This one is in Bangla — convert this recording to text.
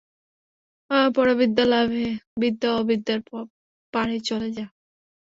পরাবিদ্যালাভে বিদ্যা-অবিদ্যার পারে চলে যা।